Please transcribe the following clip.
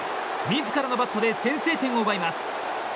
自らのバットで先制点を奪います。